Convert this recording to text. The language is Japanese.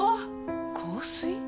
香水？